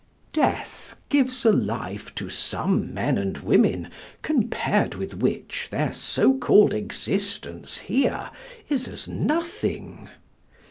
Death gives a life to some men and women compared with which their so called existence here is as nothing.